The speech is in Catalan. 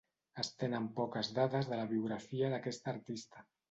Es tenen poques dades de la biografia d'aquest artista.